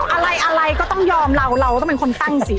อะไรอะไรก็ต้องยอมเราเราต้องเป็นคนตั้งสิ